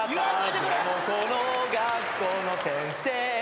「でもこの学校の先生で」